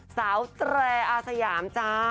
แตรอาสยามจ้า